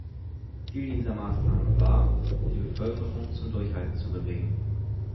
Ziel dieser Maßnahmen war, die Bevölkerung zum Durchhalten zu bewegen.